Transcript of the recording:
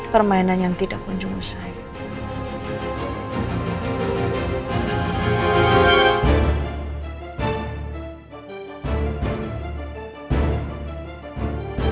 permainan yang tidak pun jual saya